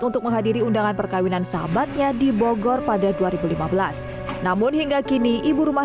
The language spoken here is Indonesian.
untuk menghadiri undangan perkawinan sahabatnya di bogor pada dua ribu lima belas namun hingga kini ibu rumah